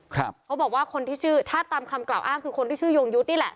เขาบอกว่าคนที่ชื่อถ้าตามคำกล่าวอ้างคือคนที่ชื่อยงยุทธ์นี่แหละ